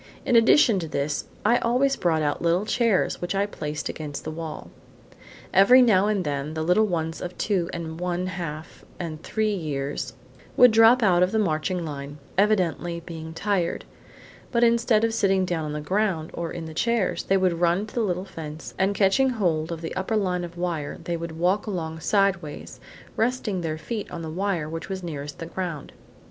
In addition to this, I always brought out little chairs, which I placed against the wall. Every now and then, the little ones of two and one half and three years would drop out from the marching line, evidently being tired; but instead of sitting down on the ground or on the chairs, they would run to the little fence and catching hold of the upper line of wire they would walk along sideways, resting their feet on the wire which was nearest the ground.